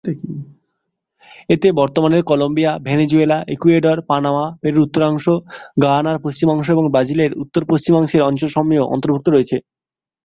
এতে বর্তমানের Colombia, Venezuela, Ecuador, Panama, পেরুর উত্তরাংশ, গায়ানার পশ্চিমাংশ এবং ব্রাজিলের উত্তর-পশ্চিমাংশের অঞ্চলসমূহ অন্তর্ভুক্ত রয়েছে।